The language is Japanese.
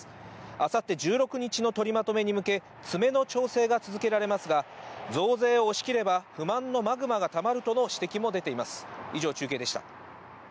あさって１６日の取りまとめに向け、詰めの調整が続けられますが、増税を押し切れば、不満のマグマがたまるとの指摘も出ています。